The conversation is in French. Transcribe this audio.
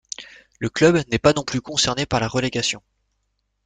Le club n'est pas non plus concerné par la relégation.